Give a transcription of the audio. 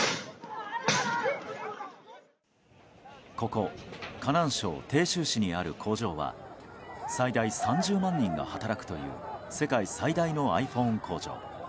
ここ河南省鄭州市にある工場は最大３０万人が働くという世界最大のｉＰｈｏｎｅ工場。